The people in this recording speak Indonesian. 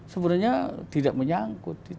sebenarnya tidak menyangkut